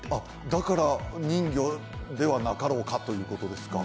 だから人魚ではなかろうかということですか？